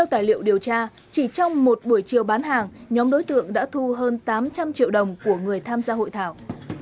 trong một buổi chiều bán hàng nhóm đối tượng đã thu hơn tám trăm linh triệu đồng của người tham gia hội thảo